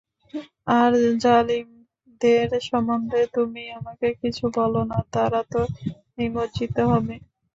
আর জালিমদের সম্বন্ধে তুমি আমাকে কিছু বলো না, তারা তো নিমজ্জিত হবে।